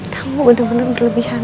kamu benar benar berlebihan